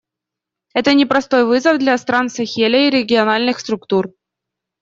Это непростой вызов для стран Сахеля и региональных структур.